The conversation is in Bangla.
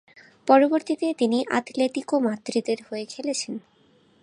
পরবর্তীতে তিনি আতলেতিকো মাদ্রিদের হয়ে খেলেছেন।